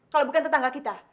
kalo bukan tetangga kita